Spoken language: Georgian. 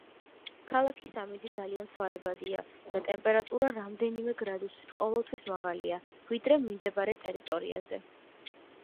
ქალაქის ამინდი ძალიან ცვალებადია და ტემპერატურა რამდენიმე გრადუსით ყოველთვის მაღალია, ვიდრე მიმდებარე ტერიტორიაზე.